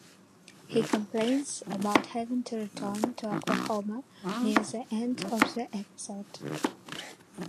He complains about having to return to Oklahoma near the end of the episode.